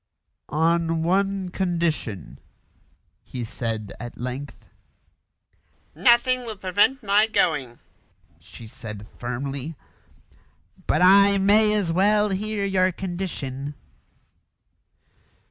"On one condition," he said at length. "Nothing will prevent my going," she said firmly; "but I may as well hear your condition."